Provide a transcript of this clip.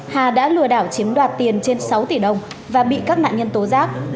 hà đã lừa đảo chiếm đoạt tiền trên sáu tỷ đồng và bị các nạn nhân tố giác